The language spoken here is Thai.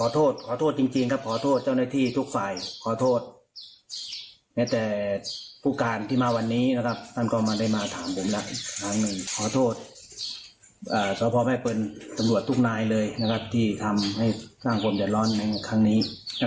ที่ทำให้สร้างพวกเดี๋ยวร้อนในครั้งนี้